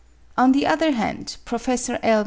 On the other hand, Prof. L.